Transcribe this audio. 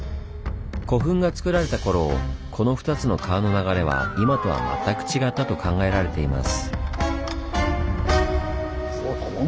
古墳がつくられた頃この２つの川の流れは今とは全く違ったと考えられています。